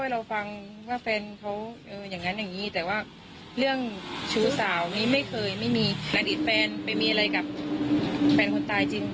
อย่างนั้นอย่างนี้แต่ว่าเรื่องชู้สาวนี้ไม่เคยไม่มีกันหลายติดแฟนไปมีอะไรกับแฟนคนตายจริงนอน